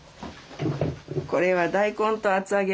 これは大根と厚揚げ。